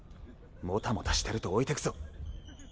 もたもたしてると置いてくぞ。